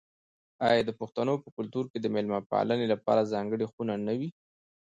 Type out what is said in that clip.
آیا د پښتنو په کلتور کې د میلمه پالنې لپاره ځانګړې خونه نه وي؟